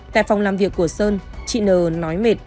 tại phòng làm việc của sơn chị n nói mệt thì sơn truyền nước cho chị